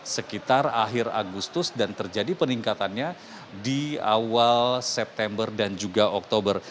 sekitar akhir agustus dan terjadi peningkatannya di awal september dan juga oktober